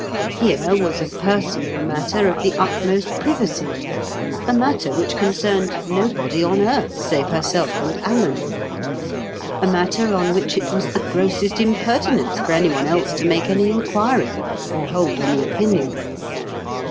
Here was a personal matter of the utmost privacy; a matter which concerned nobody on earth, save herself and Alan; a matter on which it was the grossest impertinence for any one else to make any inquiry or hold any opinion.